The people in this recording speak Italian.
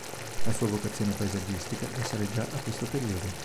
La sua vocazione paesaggistica risale già a questo periodo.